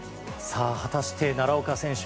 果たして奈良岡選手